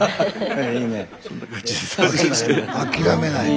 諦めない。